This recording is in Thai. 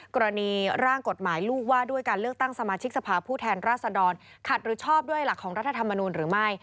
กรณีร่างกฎหมายลูกว่าด้วยการเลือกตั้งสมาชิกสภาพผู้แทนราษฎรขัดหรือชอบด้วยหลักของรัฐธรรมนูลหรือไม่